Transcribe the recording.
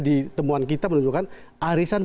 ditemuan kita menunjukkan arisan